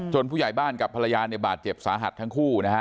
ผู้ใหญ่บ้านกับภรรยาเนี่ยบาดเจ็บสาหัสทั้งคู่นะฮะ